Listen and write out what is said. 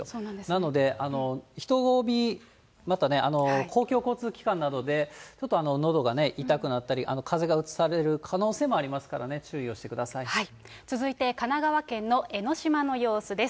なので人混み、またね、公共交通機関などで、ちょっとのどが痛くなったり、かぜがうつされる可能性もありますからね、注意をして続いて、神奈川県の江の島の様子です。